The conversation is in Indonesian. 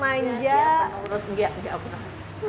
masanya nggak ada yang manja